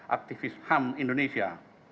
aktivis ham indonesia